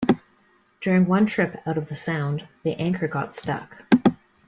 During one trip out of the sound the anchor got stuck.